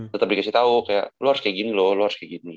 tetep dikasih tau kayak lu harus kayak gini loh lu harus kayak gini